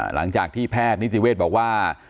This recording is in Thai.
หลังจากที่แพทย์นิติเวศบอกว่า